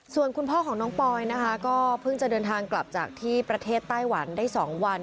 ส่วนคุณพ่อของน้องปอยนะคะก็เพิ่งจะเดินทางกลับจากที่ประเทศไต้หวันได้๒วัน